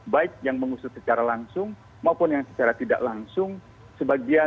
baik yang mengusut secara langsung maupun yang secara tidak langsung